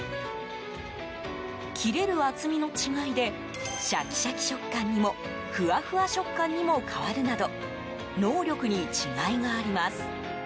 切れる厚みの違いでシャキシャキ食感にもフワフワ食感にも変わるなど能力に違いがあります。